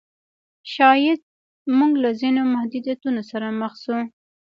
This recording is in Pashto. شاید موږ له ځینو محدودیتونو سره مخ شو.